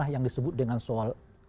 yang disebut dengan soal